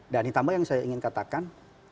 dan ditambah yang saya ingin katakan